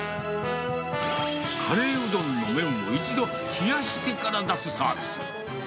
カレーうどんの麺を、一度冷やしてから出すサービス。